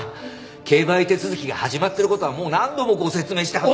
競売手続が始まっている事はもう何度もご説明したはず。